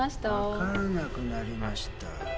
分からなくなりました。